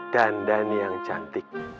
dan dani yang cantik